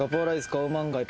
カオマンガイ。